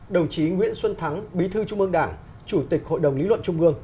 đồng chí nguyễn xuân thắng bí thư trung ương đảng chủ tịch hội đồng lý luận trung ương